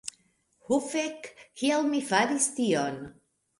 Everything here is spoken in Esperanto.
"Ho fek' kiel mi faris tion"